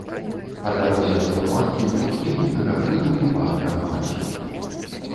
Па дарозе ад фурманкі клубкі мутнага пылу і пах каламазі.